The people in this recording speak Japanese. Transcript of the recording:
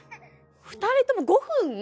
２人とも５分？